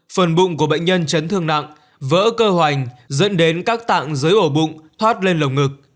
phần bụng của bệnh nhân chấn thương nặng vỡ cơ hoành dẫn đến các tạng dưới ổ bụng thoát lên lồng ngực